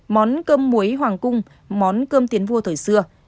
món cơm muối hoàng cung món cơm tiến vua thời xưa